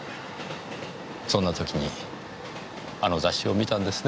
そんな時にあの雑誌を見たんですね？